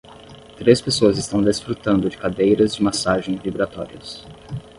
Três pessoas estão desfrutando de cadeiras de massagem vibratórias.